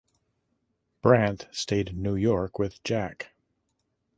Brandt stayed in New York with Jack.